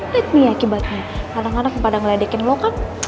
lihat nih akibatnya kadang kadang kepada ngeledekin lo kan